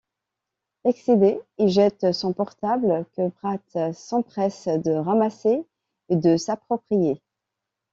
Excédé, il jette son portable que Bart s'empresse de ramasser et de s'approprier.